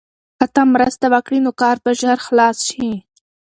که ته مرسته وکړې نو کار به ژر خلاص شي.